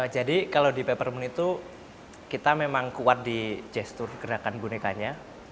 jadi kalau di peppermint itu kita memang kuat di gestur gerakan bonekanya